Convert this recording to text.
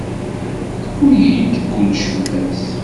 Ḥku-iyi-d kullec fell-as.